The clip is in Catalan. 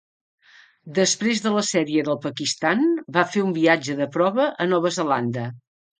Després de la sèrie del Pakistan, va fer un viatge de prova a Nova Zelanda.